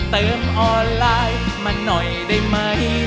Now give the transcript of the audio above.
ออนไลน์มาหน่อยได้ไหม